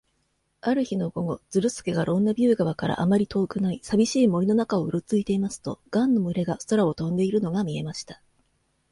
ある日の午後、ズルスケがロンネビュー川からあまり遠くない、さびしい森の中をうろついていますと、ガンの群れが空を飛んでいるのが見えました。